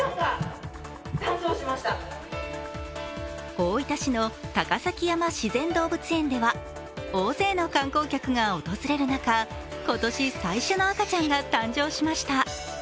大分市の高崎山自然動物園では大勢の観光客が訪れる中、今年最初の赤ちゃんが誕生しました。